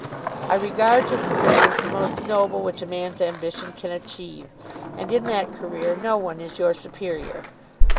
I regard your career as the most noble which a man's ambition can achieve. And in that career no one is your superior.